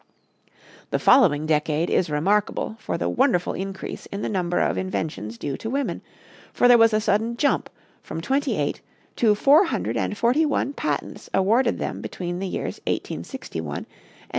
The following decade is remarkable for the wonderful increase in the number of inventions due to women, for there was a sudden jump from twenty eight to four hundred and forty one patents awarded them between the years 1861 and 1871.